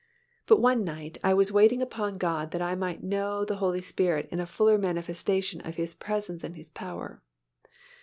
But one night I was waiting upon God that I might know the Holy Spirit in a fuller manifestation of His presence and His power.